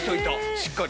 しっかり。